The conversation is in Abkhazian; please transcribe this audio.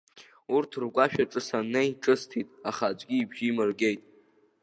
Урҭ ргәашә аҿы саннеи, ҿысҭит, аха аӡәгьы ибжьы имыргеит.